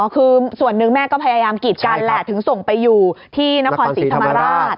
คือส่วนหนึ่งแม่ก็พยายามกีดกันแหละถึงส่งไปอยู่ที่นครศรีธรรมราช